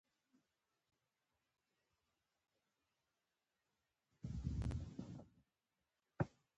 • ته لکه د نغمو ساز یې.